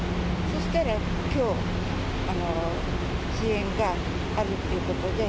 そしたらきょう、支援があるっていうことで。